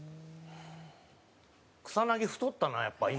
草薙太ったなやっぱ今。